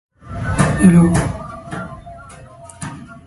These systems could relate to control theory, physiology computing.